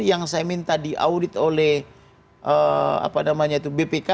yang saya minta diaudit oleh bpk